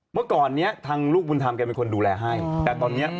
เมื่อก่อนเนี่ยลูกบุญธรรมค่ะเขาดูแลให้